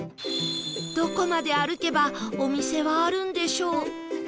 どこまで歩けばお店はあるんでしょう？